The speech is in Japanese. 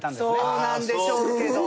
そうなんでしょうけど。